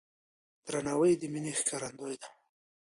درناوی د مینې ښکارندوی دی.